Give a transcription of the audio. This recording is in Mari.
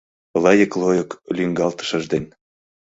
Лыйык-лойык лӱҥгалтышыж ден